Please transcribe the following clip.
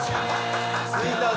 着いたぞ